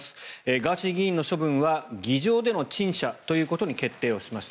ガーシー議員の処分は議場での陳謝ということに決定をしました。